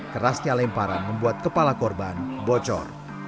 kerasnya lemparan membuat kepala korban bocor